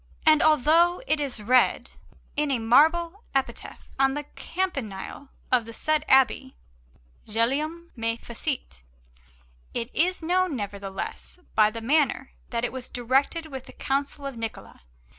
And although it is read in a marble epitaph on the campanile of the said abbey, GUGLIELM. ME FECIT, it is known, nevertheless, by the manner, that it was directed with the counsel of Niccola.